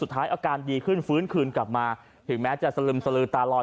อาการดีขึ้นฟื้นคืนกลับมาถึงแม้จะสลึมสลือตาลอย